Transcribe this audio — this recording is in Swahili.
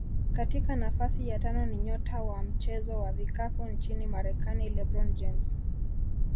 Katika nafasi ya tano ni nyota wa mchezo wa vikapu nchini Marekani LeBron James